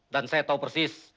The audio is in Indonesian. dan saya tahu persis